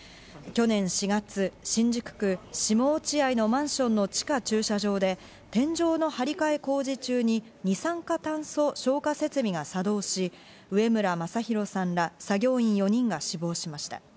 去年４月、新宿区下落合のマンションの地下駐車場で天井の張替え工事中に二酸化炭素消火設備が作動し、上邨昌弘さんら作業員４人が死亡しました。